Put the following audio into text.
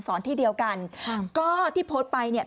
ที่เดียวกันค่ะก็ที่โพสต์ไปเนี่ย